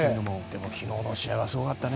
昨日の試合すごかったね。